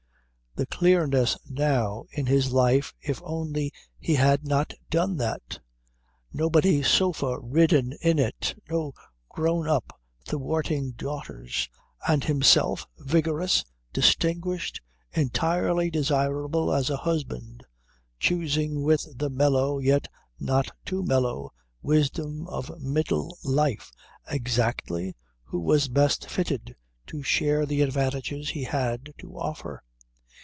The clearness now in his life if only he had not done that! Nobody sofa ridden in it, no grown up thwarting daughters, and himself vigorous, distinguished, entirely desirable as a husband, choosing with the mellow, yet not too mellow, wisdom of middle life exactly who was best fitted to share the advantages he had to offer.